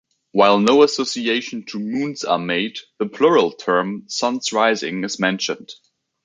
While no association to moons are made, the plural term, "suns rising", is mentioned.